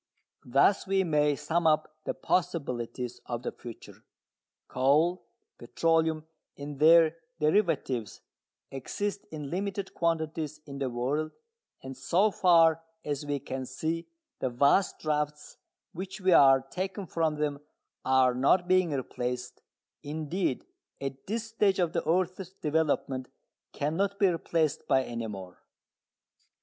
Thus we may sum up the possibilities of the future. Coal, petroleum and their derivatives exist in limited quantities in the world, and so far as we can see the vast drafts which we are taking from them are not being replaced, indeed at this stage of the earth's development cannot be replaced, by any more.